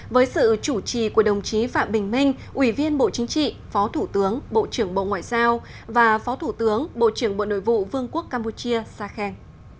với sự chủ trì của đồng chí phạm bình minh ủy viên bộ chính trị phó thủ tướng bộ trưởng bộ ngoại giao và phó thủ tướng bộ trưởng bộ nội vụ vương quốc campuchia sa khen